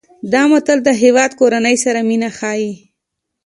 دا متل د هیواد او کورنۍ سره مینه ښيي